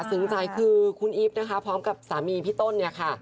ซึ้งใจคือคุณอีฟนะคะพร้อมกับสามีพี่ต้น